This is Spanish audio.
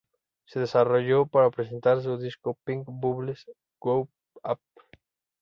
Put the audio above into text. Se desarrolló para presentar su disco Pink Bubbles Go Ape.